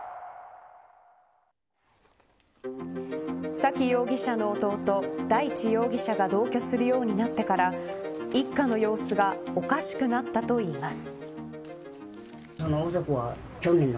沙喜容疑者の弟、大地容疑者が同居するようになってから一家の様子がおかしくなったといいます。